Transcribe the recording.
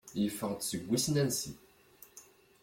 Yeffeɣ-d seg wissen ansi.